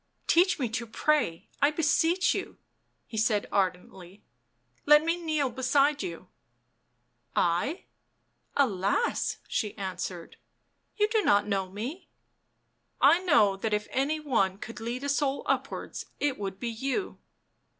" Teach me to pray, I beseech you," he said ardently. u Let me kneel beside you "" I ?— alas !" she answered. " You do not know me." " I know that if any one could lead a soul upwards it would be you."